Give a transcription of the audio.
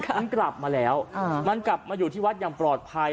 มันกลับมาแล้วมันกลับมาอยู่ที่วัดอย่างปลอดภัย